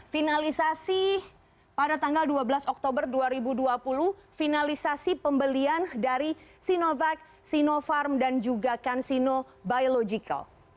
finalisasi pada tanggal dua belas oktober dua ribu dua puluh finalisasi pembelian dari sinovac sinopharm dan juga cansino biological